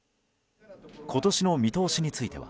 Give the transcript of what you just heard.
今年の見通しについては。